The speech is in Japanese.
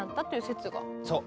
そう。